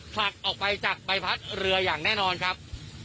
ผลักออกไปจากใบพัดเรืออย่างแน่นอนครับ